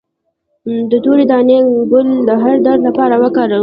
د تورې دانې ګل د هر درد لپاره وکاروئ